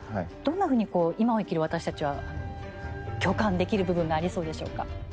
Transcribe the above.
どんなふうに今を生きる私たちは共感できる部分がありそうでしょうか。